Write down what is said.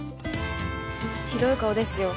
ひどい顔ですよ。